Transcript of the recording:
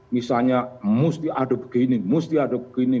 misalnya mesti ada begini mesti ada begini